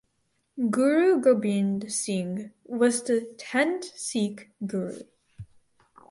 Guru Gobind Singh was the tenth Sikh Guru.